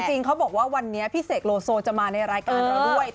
จริงเขาบอกว่าวันนี้พี่เสกโลโซจะมาในรายการเราด้วย